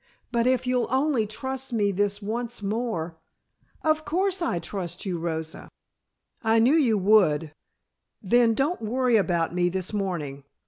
"But if you'll only trust me this once more " "Of course I trust you, Rosa " "I knew you would. Then don't worry about me this morning.